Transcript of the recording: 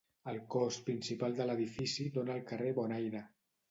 El cos principal de l'edifici dóna al carrer Bonaire.